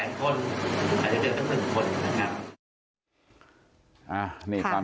เพราะฉะนั้นการเกิดมีความความได้นะครับ